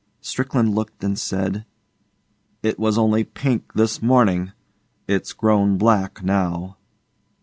Strickland looked and said, 'It was only pink this morning. It's grown black now.